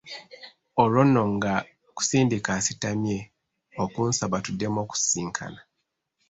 Olwo nno nga kusindika asitamye okunsaba tuddemu okusisinkana.